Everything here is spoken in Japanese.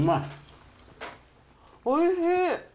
おいしい。